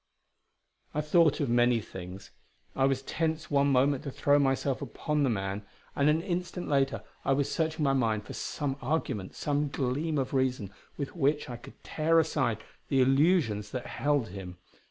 I thought of many things. I was tensed one moment to throw myself upon the man; and an instant later I was searching my mind for some argument, some gleam of reason, with which I could tear aside the illusions that held him.